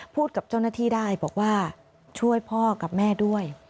พูดกับเจ้าหน้าที่ได้บอกว่าช่วยพ่อกับแม่ด้วย